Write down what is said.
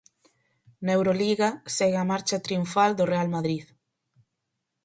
Na Euroliga, segue a marcha triunfal do Real Madrid.